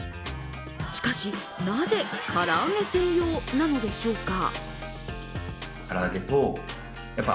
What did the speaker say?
しかし、なぜ唐揚げ専用なのでしょうか。